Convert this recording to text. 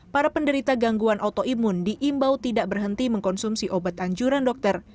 para penderita gangguan autoimun diimbau tidak berhenti mengkonsumsi obat anjuran dokter